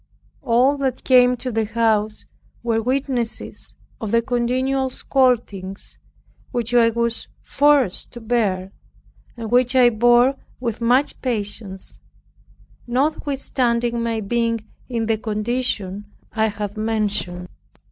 All that came to the house were witnesses of the continual scoldings, which I was forced to bear, and which I bore with much patience, notwithstanding my being in the condition I have mentioned.